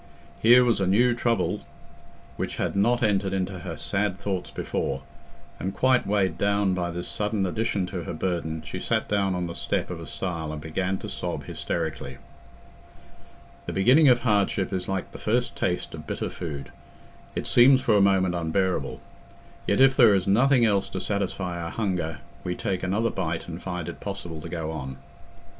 Here was a new trouble which had not entered into her sad thoughts before, and quite weighed down by this sudden addition to her burden, she sat down on the step of a stile and began to sob hysterically. The beginning of hardship is like the first taste of bitter food—it seems for a moment unbearable; yet, if there is nothing else to satisfy our hunger, we take another bite and find it possible to go on.